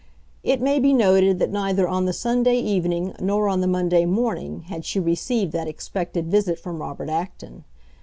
It may be noted that neither on the Sunday evening nor on the Monday morning had she received that expected visit from Robert Acton.